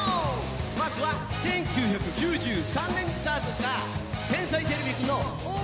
まずは１９９３年にスタートした「天才てれびくん」のオープニング曲。